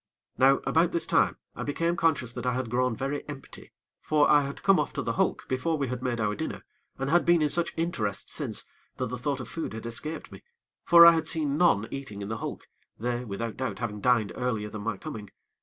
Now, about this time, I became conscious that I had grown very empty; for I had come off to the hulk before we had made our dinner, and had been in such interest since, that the thought of food had escaped me; for I had seen none eating in the hulk, they, without doubt, having dined earlier than my coming.